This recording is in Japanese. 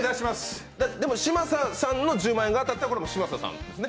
嶋佐さんの１０万円が当たったら、嶋佐さんですね。